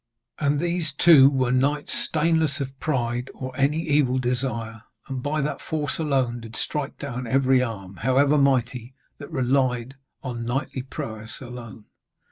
And these two were knights stainless of pride or any evil desire, and by that force alone did strike down every arm, however mighty, that relied on knightly prowess alone.